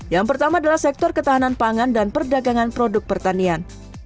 yang pertama adalah sektor ketahanan pangan dan perdagangan produk pertanian